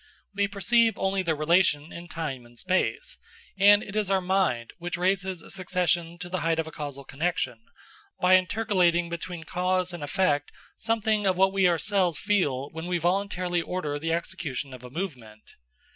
We perceive only their relation in time and space, and it is our mind which raises a succession to the height of a causal connection, by intercalating between cause and effect something of what we ourselves feel when we voluntarily order the execution of a movement.